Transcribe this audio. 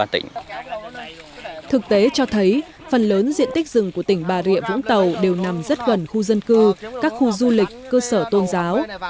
thực tế cho thấy phần lớn diện tích rừng của tỉnh bà rịa vũng tàu đều nằm rất gần khu dân cư các khu du lịch cơ sở tôn giáo